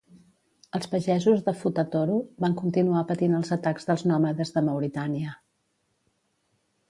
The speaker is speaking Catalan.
Els pagesos de Futa Toro van continuar patint els atacs dels nòmades de Mauritània.